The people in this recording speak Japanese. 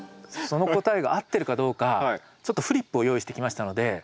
その答えが合ってるかどうかちょっとフリップを用意してきましたので。